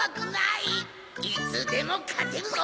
いつでもかてるぞ！